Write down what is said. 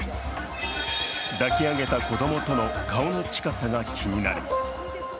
抱き上げた子供との顔の近さが気になる。